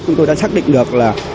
chúng tôi đã xác định được